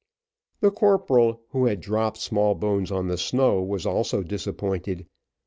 The corporal, who had dropped Smallbones on the snow, was also disappointed.